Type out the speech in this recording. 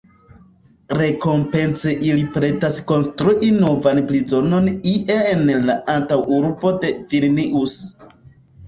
Rekompence ili pretas konstrui novan prizonon ie en la antaŭurbo de Vilnius.